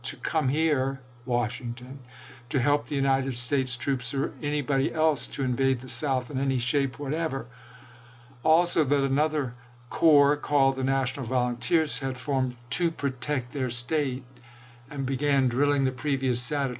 to come here [Washington] to help the United States troops, or anybody else, to invade the South in any shape whatever"; also that another corps, called the National Volunteers, had formed, "to protect LINCOLN'S SECRET NIGHT JOURNEY 307 their State," and began drilling the previous Satur chap.